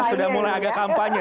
sudah mulai agak kampanye